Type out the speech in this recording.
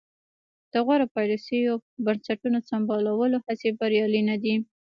د غوره پالیسیو او بنسټونو سمبالولو هڅې بریالۍ نه دي.